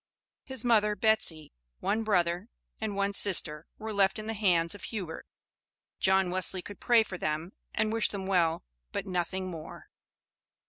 His mother, Betsy, one brother, and one sister were left in the hands of Hubert. John Wesley could pray for them and wish them well, but nothing more.